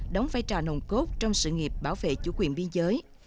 đóng vai trò nồng cốt trong sự nghiệp bảo vệ chủ quyền biên giới